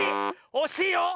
おしいよ！